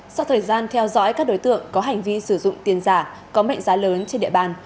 sau thời gian theo dõi các đối tượng có hành vi sử dụng tiền giả có mệnh giá lớn trên địa bàn